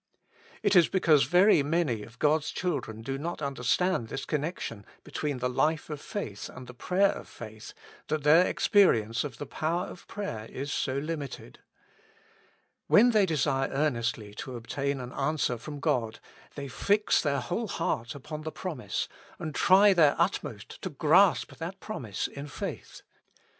It is because very many of God's children do not understand this connection between the life of faith and the prayer of faith that their experience of the power of prayer is so limited. When they desire earnestly to obtain an answer from God, they fix 96 With Christ in the School of Prayer. their whole heart upon the promise, and try their utmost to grasp that promise in faith.